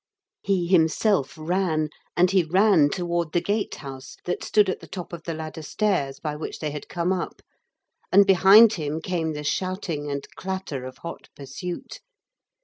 He himself ran, and he ran toward the gate house that stood at the top of the ladder stairs by which they had come up, and behind him came the shouting and clatter of hot pursuit.